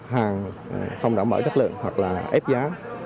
hàng không đảm bảo chất lượng hoặc là ép giá